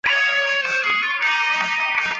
首府凯尔采。